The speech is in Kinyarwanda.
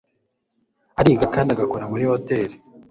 Ariga kandi agakora muri hoteri.